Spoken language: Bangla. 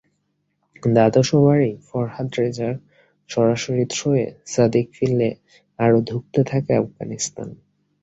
দ্বাদশ ওভারেই ফরহাদ রেজার সরাসরি থ্রোয়ে সাদিক ফিরলে আরও ধুঁকতে থাকে আফগানিস্তান।